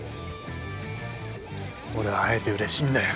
俺は会えてうれしいんだよ。